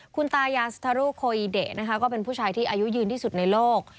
คุณตายาซาทารุโคอิเดะนะคะก็เป็นผู้ชายที่อายุยืนที่สุดในโลก